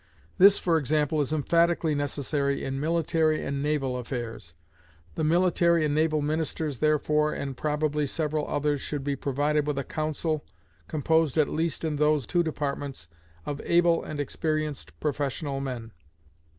This, for example, is emphatically necessary in military and naval affairs. The military and naval ministers, therefore, and probably several others, should be provided with a Council, composed, at least in those two departments, of able and experienced professional men.